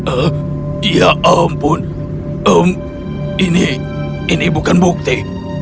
ehh ya ampun ehm ini ini bukan bukti